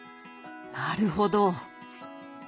なるほど。